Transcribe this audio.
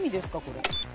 これ。